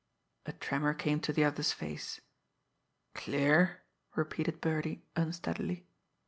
A tremor came to the other's face. "Clear?" repeated Birdie unsteadily.